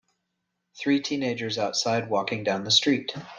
Three teenagers outside walking down the street.